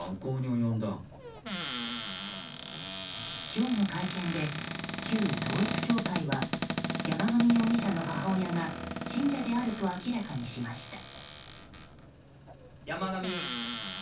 今日の会見で、旧統一教会は山上容疑者の母親が信者であると明らかにしました。